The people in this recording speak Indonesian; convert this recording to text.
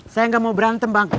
saya gak mau berantem bang